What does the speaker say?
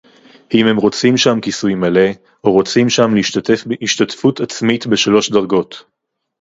אם הם רוצים שם כיסוי מלא או רוצים שם להשתתף השתתפות עצמית בשלוש דרגות